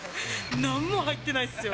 なんも入ってないっすよ。